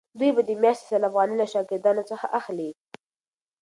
دوی به د میاشتې سل افغانۍ له شاګردانو څخه اخلي.